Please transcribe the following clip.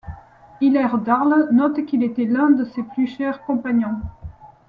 Hilaire d'Arles note qu'il était l'un de ses plus chers compagnons.